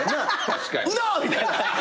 ウノ！みたいな。